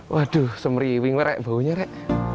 waduh semeriwing banget baunya rek